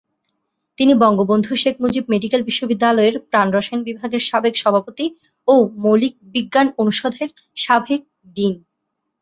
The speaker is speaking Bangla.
তিনি বঙ্গবন্ধু শেখ মুজিব মেডিকেল বিশ্ববিদ্যালয়ের প্রাণরসায়ন বিভাগের সাবেক সভাপতি ও মৌলিক বিজ্ঞান অনুষদের সাবেক ডিন।